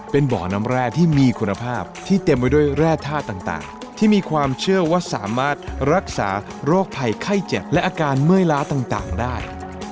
เป็นบ่อน้ำแร่ที่มีคุณภาพที่เต็มไปด้วยแร่ธาตุต่างที่มีความเชื่อว่าสามารถรักษาโรคภัยไข้เจ็บและอาการเมื่อยล้าต่างได้